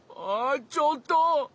あちょっと！